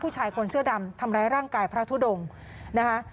ผู้ชายคนเสื้อดำทำร้ายร่างกายพระทุดงนะคะ